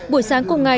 buổi sáng cùng ngày